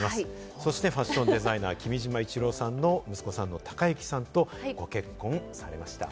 そしてファッションデザイナー・君島一郎さんの息子さんの誉幸さんとご結婚されました。